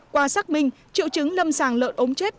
qua xác minh triệu chứng lâm sàng lợn ốm chết